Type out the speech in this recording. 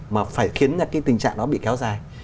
mà phải khiến tình trạng đó bị kéo dài